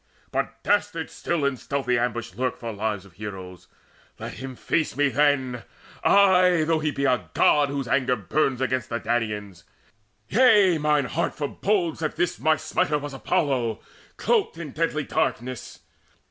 But dastards still in stealthy ambush lurk For lives of heroes. Let him face me then! Ay! though he be a God whose anger burns Against the Danaans! Yea, mine heart forebodes That this my smiter was Apollo, cloaked In deadly darkness.